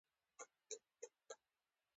دا د جوړښتونو په اصلاح کې وي.